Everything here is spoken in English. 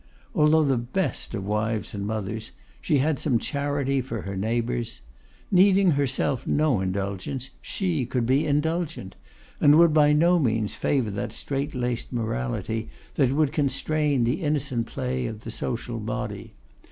Although the best of wives and mothers, she had some charity for her neighbours. Needing herself no indulgence, she could be indulgent; and would by no means favour that strait laced morality that would constrain the innocent play of the social body.